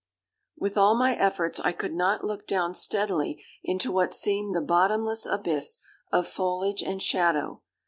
"With all my efforts, I could not look down steadily into what seemed the bottomless abyss of foliage and shadow.